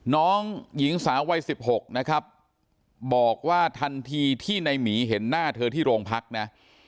น้องหญิงสาววัย๑๖นะครับบอกว่าทันทีที่ในหมีเห็นหน้าเธอที่โรงพักนะ